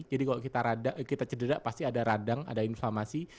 jadi kalau kita cedera pasti ada radang ada inflammasi